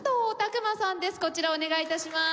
こちらお願い致します。